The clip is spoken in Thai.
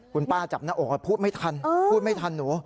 คุณป้าจับหน้าออกมาพูดไม่ทัน